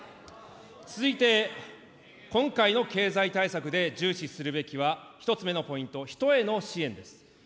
続いて、今回の経済対策で重視するべきは１つ目のポイント、人への支援です。